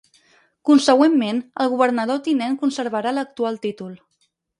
Consegüentment, el governador tinent conservarà l'actual títol.